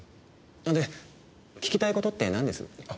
で聞きたい事ってなんです？